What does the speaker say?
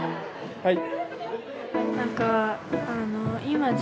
はい。